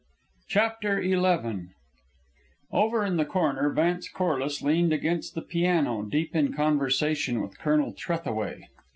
CHAPTER XI Over in the corner Vance Corliss leaned against the piano, deep in conversation with Colonel Trethaway.